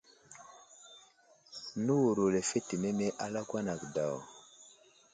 Newuro lefetenene a lakwan age daw.